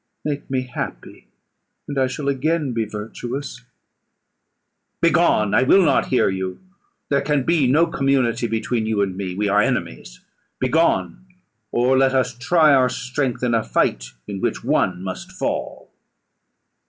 Make me happy, and I shall again be virtuous." "Begone! I will not hear you. There can be no community between you and me; we are enemies. Begone, or let us try our strength in a fight, in which one must fall."